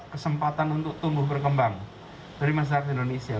kesempatan untuk tumbuh berkembang dari masyarakat indonesia